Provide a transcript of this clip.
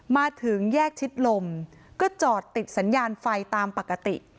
มาถึงแยกชิดลมก็จอดติดสัญญาณไฟตามปกติ